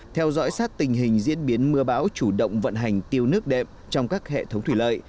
theo dõi sát tình hình diễn biến mưa bão chủ động vận hành tiêu nước đệm trong các hệ thống thủy lợi